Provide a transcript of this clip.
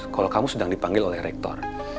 kalau kamu sedang dipanggil oleh rektor